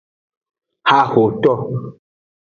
Haxoto.